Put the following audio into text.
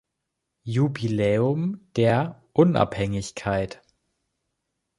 Jubiläum der Unabhängigkeit.